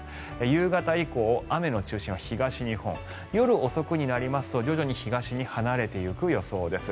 夕方以降、雨の中心は東日本夜遅くになりますと、徐々に東に離れていく予想です。